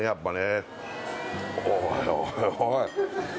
おいおい